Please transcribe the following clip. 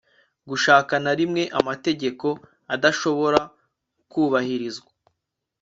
gushaka na rimwe, amategeko adashoboka kubahirizwa